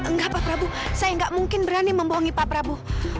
enggak pak prabu saya nggak mungkin berani membohongi pak prabowo